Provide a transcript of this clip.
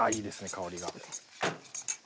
香りが。